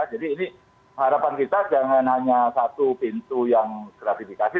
jadi ini harapan kita jangan hanya satu pintu yang gratifikasi